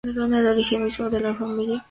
El origen mismo de la familia es controvertido.